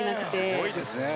すごいですね。